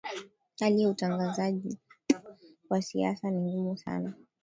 hali ya utangazaji utangazaji wa sasa ni ngumu sana